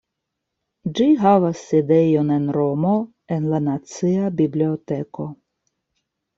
Ĝi havas sidejon en Romo en la nacia biblioteko.